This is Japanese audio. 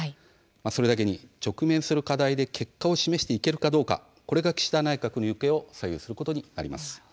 それだけに直面する課題で結果を示していけるかこれが岸田内閣の行方を左右することになります。